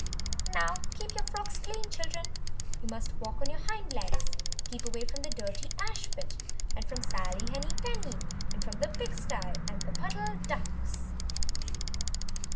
"Now keep your frocks clean, children! You must walk on your hind legs. Keep away from the dirty ash pit, and from Sally Henny Penny, and from the pig stye and the Puddle Ducks."